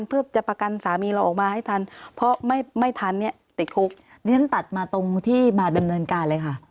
เพื่อจะประกันสามีเราออกมาให้ทันเพราะไม่ไม่ทันเนี่ยติดคุกดิฉันตัดมาตรงที่มาดำเนินการเลยค่ะ